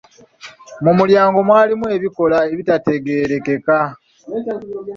Mu mulyango mwalimu ebikoola ebitategeerekeka.